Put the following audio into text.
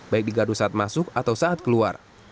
baik digaduh saat masuk atau saat keluar